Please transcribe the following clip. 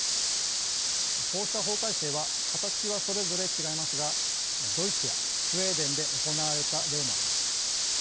こうした法改正は形はそれぞれ違いますがドイツやスウェーデンで行われた例もあります。